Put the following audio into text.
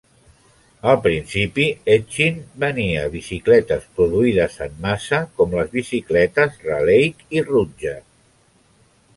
Al principi, Hetchin venia bicicletes produïdes en massa, com les bicicletes Raleigh i Rudge.